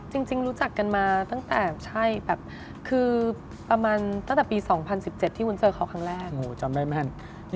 จริงรู้จักกันมาตั้งแต่ประมาณตั้งแต่ปี๒๐๑๗ที่คุณเจอเขาครั้งแรก